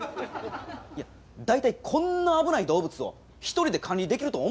いや大体こんな危ない動物を一人で管理できると思うてんの？